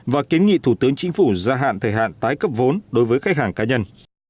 và kiến nghị thủ tướng chính phủ gia hạn thời hạn tái cấp vốn đối với khách hàng cá nhân